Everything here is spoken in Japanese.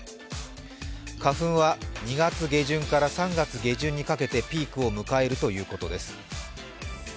花粉は２月下旬から３月下旬にかけてピークを迎えるということです。